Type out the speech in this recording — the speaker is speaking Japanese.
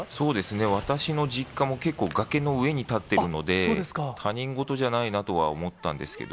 私の実家も結構、崖の上に建っているので、他人事じゃないなとは思ったんですけど。